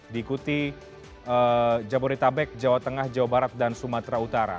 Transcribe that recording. diikuti jabodetabek jawa tengah jawa barat dan sumatera utara